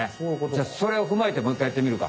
じゃあそれをふまえてもういっかいやってみるか。